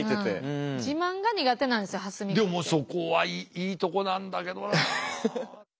でもそこはいいとこなんだけどな。